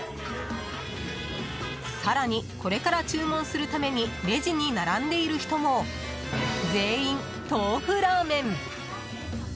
更に、これから注文するためにレジに並んでいる人も全員、豆腐ラーメン。